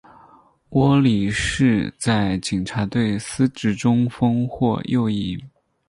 窝利士在警察队司职中锋或右翼。